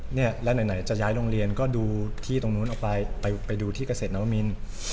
เนี่ยแล้วไหนจะย้ายโรงเรียนก็ดูที่ตรงนู้นออกไปไปดูที่เกษตรนวมิน